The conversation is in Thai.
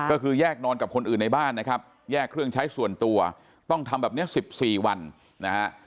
ก็คือแยกนอนกับคนอื่นในบ้านนะครับแยกเครื่องใช้ส่วนตัวต้องทำแบบนี้๑๔วันนะฮะ